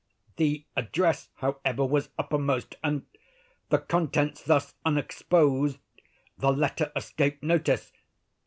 The address, however, was uppermost, and, the contents thus unexposed, the letter escaped notice.